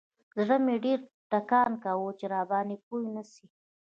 زړه مې ډېر ټکان کاوه چې راباندې پوه نسي.